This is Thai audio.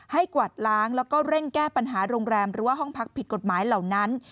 กวาดล้างแล้วก็เร่งแก้ปัญหาโรงแรมหรือว่าห้องพักผิดกฎหมายเหล่านั้น